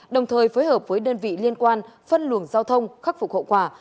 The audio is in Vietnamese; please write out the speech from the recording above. đồng thời phối hợp với đơn vị liên quan phân luồng giao thông khắc phục hậu quả